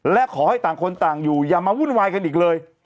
และขอให้ต่างคนต่างอยู่อย่ามาวุ่นวายกันอีกเลย